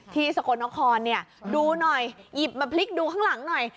ที่สกุลนครดูหน่อยหยิบมาพลิกดูข้างหลังหน่อย